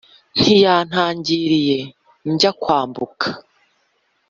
Ntiyantangiriye njya kwambuka